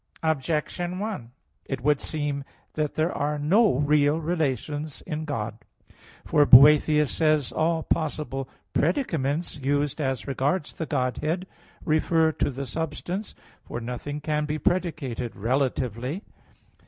Objection 1: It would seem that there are no real relations in God. For Boethius says (De Trin. iv), "All possible predicaments used as regards the Godhead refer to the substance; for nothing can be predicated relatively."